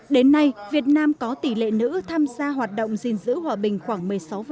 đến nay việt nam có tỷ lệ nữ tham gia hoạt động gìn giữ hòa bình khoảng một mươi sáu